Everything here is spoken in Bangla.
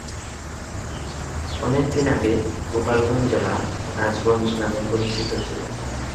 অনেক দিন আগে গোপালগঞ্জ জেলা রাজগঞ্জ নামে পরিচিত ছিল।